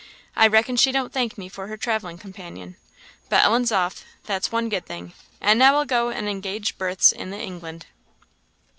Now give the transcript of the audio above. "I reckon she don't thank me for her travelling companion. But Ellen's off that's one good thing and now I'll go and engage berths in the England."